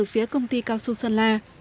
tức từ phía công ty cao su sơn la